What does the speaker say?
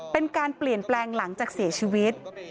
เป็นการเปลี่ยนแปลงหลังจากเสียชีวิต